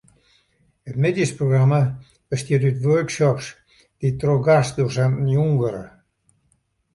It middeisprogramma bestiet út workshops dy't troch gastdosinten jûn wurde.